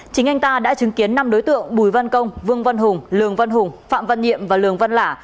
chính anh ta đã chứng kiến năm đối tượng bùi văn công vương văn hùng lường văn hùng phạm văn nhiệm và lường văn lả